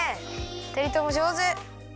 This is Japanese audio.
ふたりともじょうず。